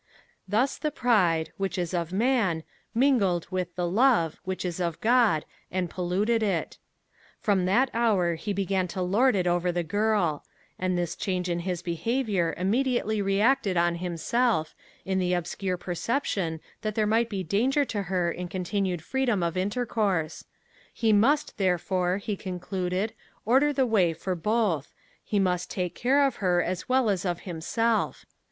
Thus the pride, which is of man, mingled with the love, which is of God, and polluted it. From that hour he began to lord it over the girl; and this change in his behavior immediately reacted on himself, in the obscure perception that there might be danger to her in continued freedom of intercourse: he must, therefore, he concluded, order the way for both; he must take care of her as well as of himself.